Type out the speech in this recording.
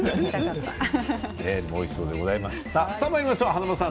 おいしそうでございました。